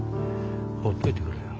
ほっといてくれよ。